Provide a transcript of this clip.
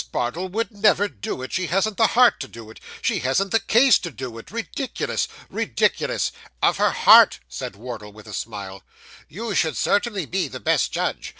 Bardell would never do it; she hasn't the heart to do it; she hasn't the case to do it. Ridiculous ridiculous.' Of her heart,' said Wardle, with a smile, 'you should certainly be the best judge.